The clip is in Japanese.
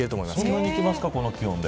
そんなにいけますかこの気温で。